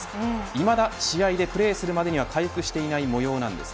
いまだ試合でプレーするまでには回復していないもようなんです。